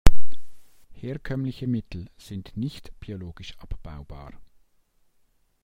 Herkömmliche Mittel sind nicht biologisch abbaubar.